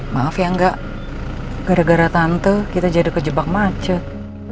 maaf ya enggak gara gara tante kita jadi kejebak macet